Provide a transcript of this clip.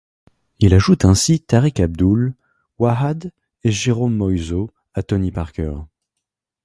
Il ajoute ainsi Tariq Abdul-Wahad et Jérôme Moïso à Tony Parker.